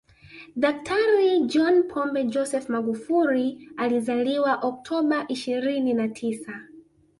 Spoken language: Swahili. Daktari John Pombe Joseph Magufuli alizaliwa Oktoba ishirini na tisa